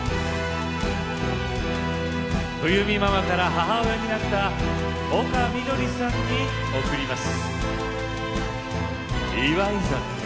冬美ママから母親になった丘みどりさんに贈ります